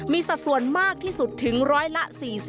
มีสัดส่วนมากที่สุดถึงร้อยละ๔๐